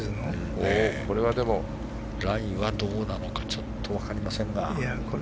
ラインはどうなのかちょっと分かりませんが。